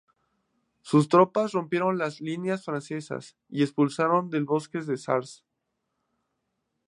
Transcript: Sus tropas rompieron las líneas francesas y las expulsaron del bosque de Sars.